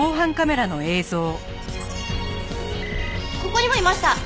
ここにもいました！